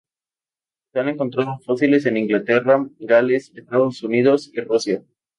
Se han encontrado fósiles en Inglaterra, Gales, Estados Unidos y Rusia.